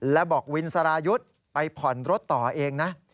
แล้วบอกวินสรายุทธ์ไปผ่อนรถต่อเองนะ